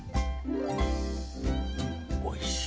おいしい。